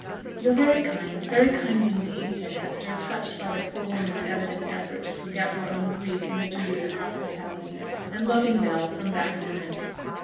'Yo're very kind, very kind indeed,' said Hester, touched by the poor woman's evident effort to forget her own grief in the duties of hospitality, and loving Bell from that moment.